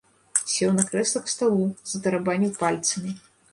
Сеў на крэсла к сталу, затарабаніў пальцамі.